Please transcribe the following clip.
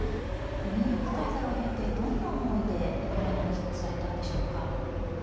ニューヨーク滞在を経てどんな思いで、ウクライナに帰国されたんでしょうか。